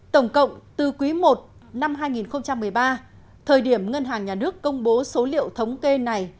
tổng cộng từ quý i năm hai nghìn một mươi ba thời điểm ngân hàng nhà nước công bố số liệu thống kê này